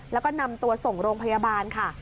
แล้วก็นำตัวส่งโรงพยาบาลค่ะ